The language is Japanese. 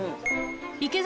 池崎